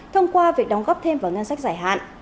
thông qua việc đóng góp thêm vào ngân sách giải hạn